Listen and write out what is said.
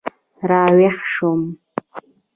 را ویښ شوم.